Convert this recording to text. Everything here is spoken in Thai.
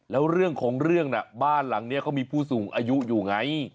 แล้วเรื่องของเรื่องน่ะบ้านหลังนี้เขามีผู้สูงอายุอยู่ไง